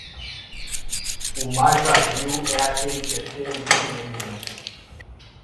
O mais vazio é aquele que é cheio de si mesmo.